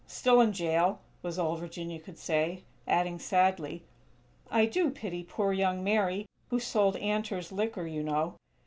"Still in jail," was all Virginia could say; adding sadly: "I do pity poor young Mary, who sold Antor's liquor, you know.